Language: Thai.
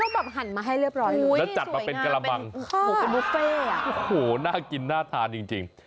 แล้วแบบหันมาให้เรียบร้อยเลยสวยงามเป็นข้าวมุฟเฟ่อ่ะโอ้โฮน่ากินน่าทานจริง